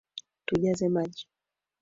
Tujaze maji